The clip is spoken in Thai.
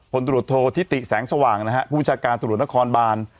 ตรวจโทษทิติแสงสว่างนะฮะผู้บัญชาการตรวจนครบาน